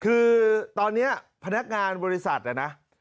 คือตอนนี้พนักงานบริษัทนะ